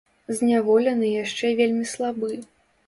Зняволены яшчэ вельмі слабы.